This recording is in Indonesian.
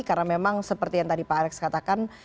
karena memang seperti yang tadi pak alex katakan